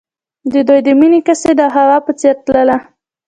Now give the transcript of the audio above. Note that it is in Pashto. د دوی د مینې کیسه د هوا په څېر تلله.